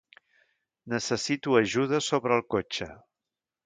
Necessito ajuda sobre el cotxe.